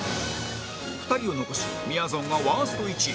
２人を残しみやぞんがワースト１位